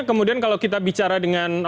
kemudian kalau kita bicara dengan